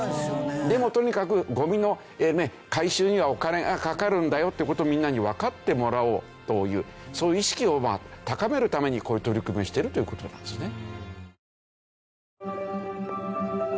でもとにかくゴミの回収にはお金がかかるんだよっていう事をみんなにわかってもらおうというそういう意識を高めるためにこういう取り組みをしてるという事なんですね。